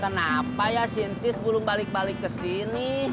kena apa ya sintis belum balik balik kesini